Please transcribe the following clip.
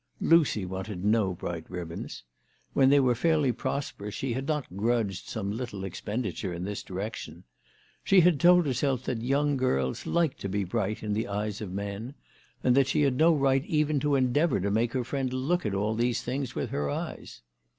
Lucy wanted no bright rib bons. When they were fairly prosperous she had not grudged some little expenditure in this direction. She had told herself that young girls like to be bright in the eyes of men, and that she had no right even to endeavour to make her friend look at all these things with her eyes.